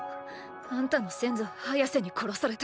あんたの先祖ハヤセに殺された。